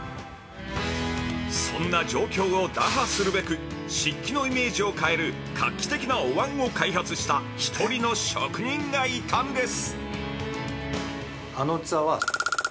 そんな状況を打破するべく漆器のイメージを変える画期的なお椀を開発した１人の職人がいたんです。